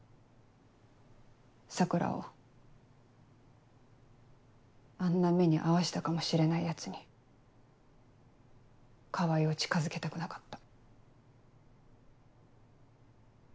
桜をあんな目に遭わしたかもしれないヤツに川合を近づけたくなかった。